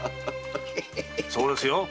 そうですよ！